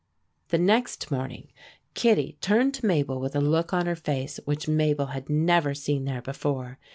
The next morning Kittie turned to Mabel with a look on her face which Mabel had never seen there before.